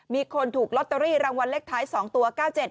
มีคนถูกลอตเตอรี่รางวัลเลขท้าย๒ตัว๙๗